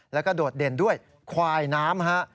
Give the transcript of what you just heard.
แล้วก็โดดเด่นด้วยควายน้ำฮะ